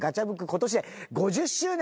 今年で５０周年！